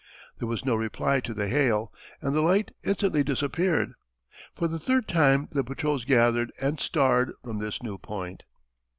There was no reply to the hail, and the light instantly disappeared. For the third time the patrols gathered and "starred" from this new point.